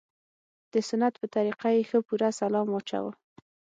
د سنت په طريقه يې ښه پوره سلام واچاوه.